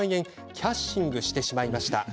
キャッシングしてしまいました。